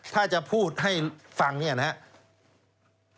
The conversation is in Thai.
ถ้าจะพูดให้ฟังเนี่ยนะครับ